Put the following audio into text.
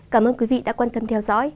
cảm ơn quý vị đã quan tâm theo dõi